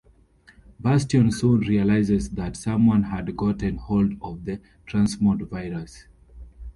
Bastion soon realizes that someone had gotten hold of the transmode virus.